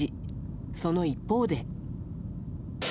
その一方で。